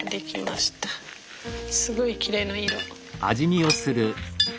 すごいきれいな色。